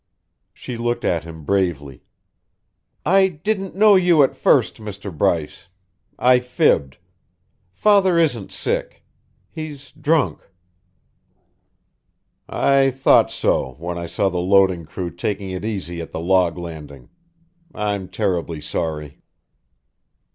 She looked at him bravely. "I didn't know you at first, Mr. Bryce. I fibbed. Father isn't sick. He's drunk." "I thought so when I saw the loading crew taking it easy at the log landing. I'm terribly sorry."